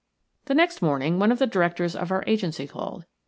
The next morning one of the directors of our agency called.